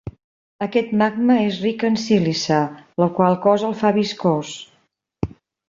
Aquest magma és ric en sílice, la qual cosa el fa viscós.